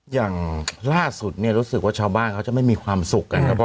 อย่างล่าสุดเนี่ยรู้สึกว่าชาวบ้านเขาจะไม่มีความสุขกันครับ